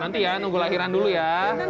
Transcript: nanti ya nunggu lahiran dulu ya